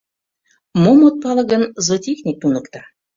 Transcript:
Мом от пале гын, зоотехник туныкта.